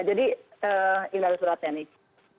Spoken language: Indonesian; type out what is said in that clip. jadi ini ada suratnya nih